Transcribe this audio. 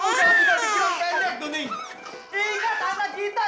pakai otak warasmu jangan emosi buka pintunya